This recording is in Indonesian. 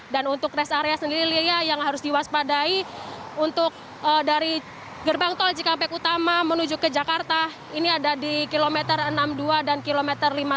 dan untuk rest area sendiri lia yang harus diwaspadai untuk dari gerbang tol jikampek utama menuju ke jakarta ini ada di kilometer enam puluh dua dan kilometer lima puluh satu